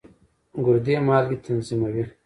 ګردې مالګې تنظیموي.